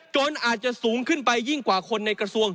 จนอาจจะสูงขึ้นไปยิ่งกว่าคนในกระทรวง